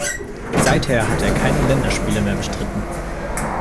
Seither hat er keine Länderspiele mehr bestritten.